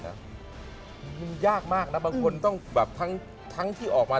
มันยากมากคุณต้องทั้งที่ออกมา